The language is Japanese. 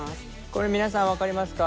これ皆さん分かりますか？